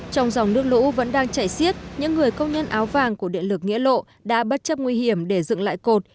trong dòng nước lũ vẫn đang chảy xiết những người công nhân áo vàng của điện lực nghĩa lộ đã bất chấp nguy hiểm để dựng lại cột